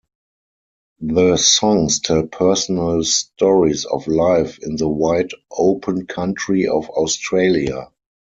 The songs tell personal stories of life in the wide open country of Australia.